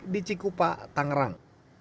di cikupa tangerang